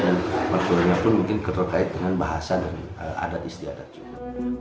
dan markurnya pun mungkin keterkait dengan bahasan dan adat istiadat juga